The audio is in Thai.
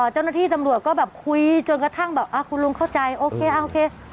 เจ้าหน้าที่สำรวจก็คุยจนกระทั่งคุณลุงเข้าใจโอเค